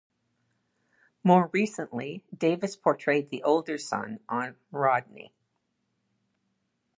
More recently, Davis portrayed the older son on "Rodney".